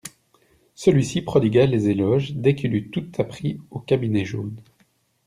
Celui-ci prodigua les éloges dès qu'il eût tout appris au cabinet jaune.